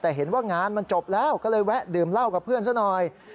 แต่เห็นว่างานมันจบแล้วก็เลยแวะดื่มเหล้ากับเพื่อนซะหน่อย